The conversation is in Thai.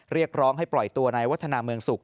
เรียกร้องให้ปล่อยตัวในวัฒนาเมืองสุข